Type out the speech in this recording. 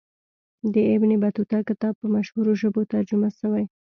د ابن بطوطه کتاب په مشهورو ژبو ترجمه سوی.